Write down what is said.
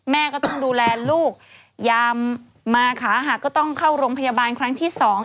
แม่ก็ต้องดูแลลูกยามมาขาหักก็ต้องเข้าโรงพยาบาลครั้งที่สอง